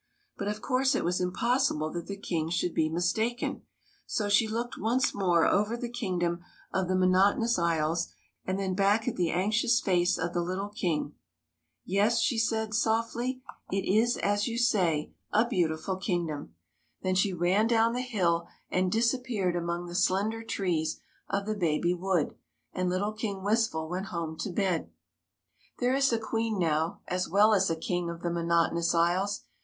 But, of course, it was impossible that the King should be mistaken. So she looked once more over the kingdom of the Monotonous Isles and then back at the anxious face of the little King. " Yes," she said softly, " it is, as you say, a 46 THE MAGICIAN'S TEA PARTY beautiful kingdom." Then she ran down the hill and disappeared among the slender trees of the baby wood, and little King Wistful went home to bed. There is a Queen now as well as a King of the Monotonous Isles.